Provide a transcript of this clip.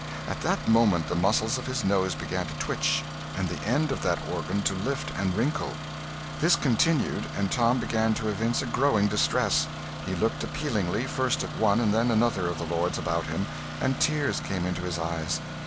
At that moment the muscles of his nose began to twitch, and the end of that organ to lift and wrinkle. This continued, and Tom began to evince a growing distress. He looked appealingly, first at one and then another of the lords about him, and tears came into his eyes.